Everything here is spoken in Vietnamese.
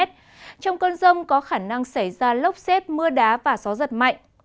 trong cơn rông có khả năng xảy ra lốc xét mưa đá và gió giật mạnh